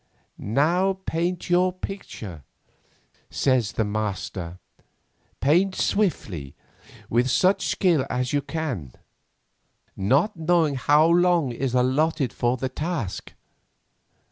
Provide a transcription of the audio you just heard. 'Now paint your picture,' says the Master; 'paint swiftly, with such skill as you can, not knowing how long is allotted for the task.